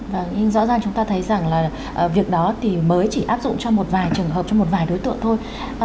và nhưng rõ ràng chúng ta thấy rằng là việc đó thì mới chỉ áp dụng cho một vài trường hợp cho một vài đối tượng thôi